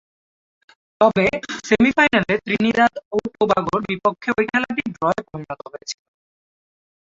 তবে, সেমি-ফাইনালে ত্রিনিদাদ ও টোবাগোর বিপক্ষে ঐ খেলাটি ড্রয়ে পরিণত হয়েছিল।